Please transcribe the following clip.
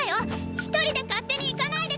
一人で勝手に行かないで下さい！